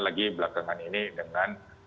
lagi belakangan ini dengan